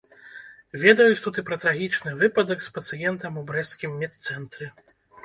Ведаюць тут і пра трагічны выпадак з пацыентам у брэсцкім медцэнтры.